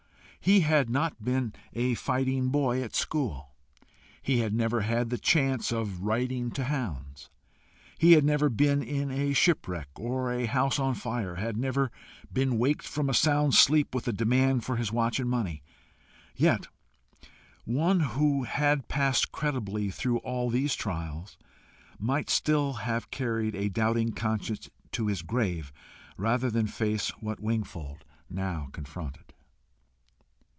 He had not been a fighting boy at school; he had never had the chance of riding to hounds; he had never been in a shipwreck, or a house on fire; had never been waked from a sound sleep with a demand for his watch and money; yet one who had passed creditably through all these trials, might still have carried a doubting conscience to his grave rather than face what Wingfold now confronted.